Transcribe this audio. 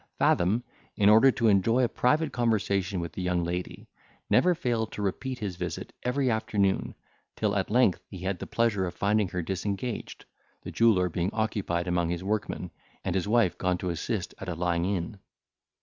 Fathom, in order to enjoy a private conversation with the young lady, never failed to repeat his visit every afternoon, till at length he had the pleasure of finding her disengaged, the jeweller being occupied among his workmen, and his wife gone to assist at a lying in.